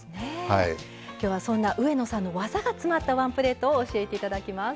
今日はそんな上野さんの技が詰まったワンプレートを教えて頂きます。